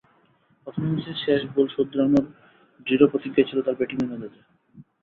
প্রথম ইনিংসের শেষ ভুল শোধরানোর দৃঢ় প্রতিজ্ঞাই ছিল তাঁর ব্যাটিংয়ের মেজাজে।